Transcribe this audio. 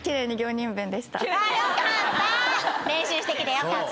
よかった。